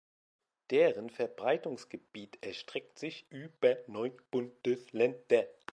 Deren Verbreitungsgebiet erstreckt sich über neun Bundesländer.